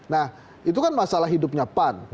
nah itu kan masalah hidupnya pan